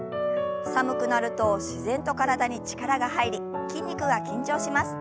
寒くなると自然と体に力が入り筋肉が緊張します。